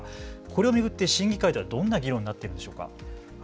これを巡って審議会ではどんな議論になっているんでしょうか。